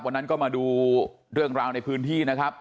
วันนั้นก็มาดูเรื่องราวในพื้นที่นะครับ